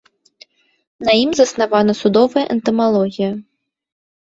На ім заснавана судовая энтамалогія.